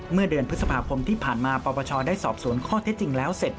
เมื่อเดือนพฤษภาคมที่ผ่านมาปปชได้สอบสวนข้อเท็จจริงแล้วเสร็จ